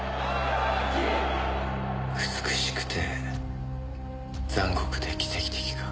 「美しくて残酷で奇跡的」か。